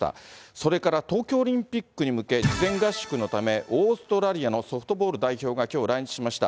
それから東京オリンピックに向け、事前合宿のため、オーストラリアのソフトボール代表がきょう来日しました。